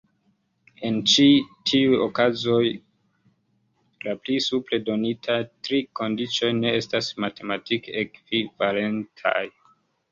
En ĉi tiuj okazoj, la pli supre donitaj tri kondiĉoj ne estas matematike ekvivalentaj.